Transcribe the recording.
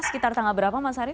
sekitar tanggal berapa mas arief